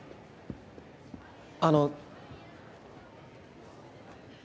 あの。